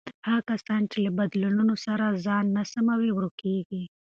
هغه کسان چې له بدلونونو سره ځان نه سموي، ورکېږي.